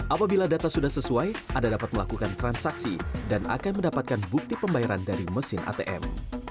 apabila data sudah sesuai anda dapat melakukan transaksi dan akan mendapatkan bukti pembayaran dari mesin atm